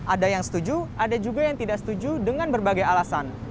ada yang setuju ada juga yang tidak setuju dengan berbagai alasan